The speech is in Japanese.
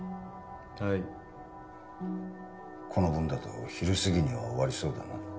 はいこの分だと昼すぎには終わりそうだな